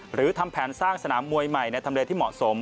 หรือทำแผนสร้างสนามมวยใหม่ในทำเลที่เหมาะสม